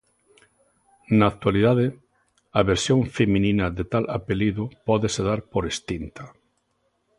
Na actualidade, a versión feminina de tal apelido pódese dar por extinta.